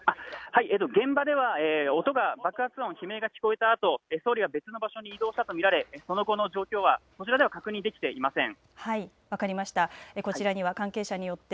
現場では音が、爆発音、悲鳴が聞こえたあと総理が別の場所に移動したと見られ、その後の状況はこちらでは確認できていません。